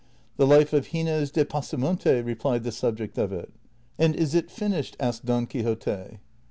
'' The ' Life of Gines de Pasamonte," replied the subject of it. "■ And is it finished ?" asked Don Quixote.